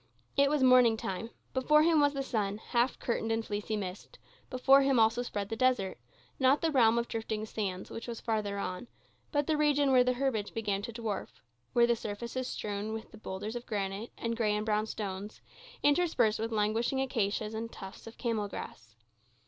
It was morning time. Before him was the sun, half curtained in fleecy mist; before him also spread the desert; not the realm of drifting sands, which was farther on, but the region where the herbage began to dwarf; where the surface is strewn with boulders of granite, and gray and brown stones, interspersed with languishing acacias and tufts of camel grass.